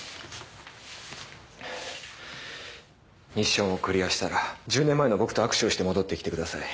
ミッションをクリアしたら１０年前の僕と握手をして戻ってきてください。